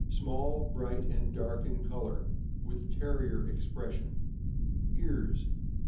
— Small, bright, and dark in color, with Terrier expression. Ears.